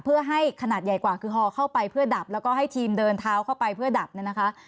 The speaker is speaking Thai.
เพื่อให้ขนาดใหญ่กว่าคือฮอเข้าไปเพื่อดับแล้วก็ให้ทีมเดินเท้าเข้าไปเพื่อดับเนี่ยนะคะ